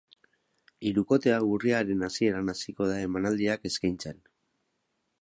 Hirukotea urriaren hasieran hasiko da emanaldiak eskaintzen.